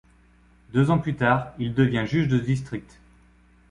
Deux ans plus tard, il devient juge de district.